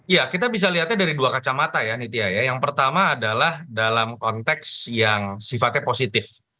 ya kita bisa lihatnya dari dua kacamata ya nitya ya yang pertama adalah dalam konteks yang sifatnya positif